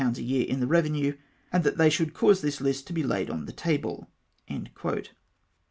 a year in flte revenue, and that they should cause this list to he laid on the table."'